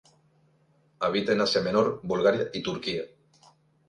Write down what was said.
Habita en Asia Menor, Bulgaria y Turquía.